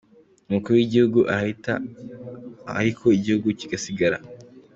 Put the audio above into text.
Umukuru w’igihugu arahita ariko igihugu kigasigara.